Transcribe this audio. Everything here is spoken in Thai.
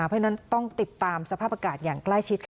เพราะฉะนั้นต้องติดตามสภาพอากาศอย่างใกล้ชิดค่ะ